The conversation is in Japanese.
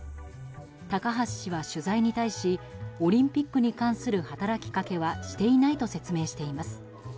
高橋氏は取材に対しオリンピックに関する働きかけはしていないと説明しています。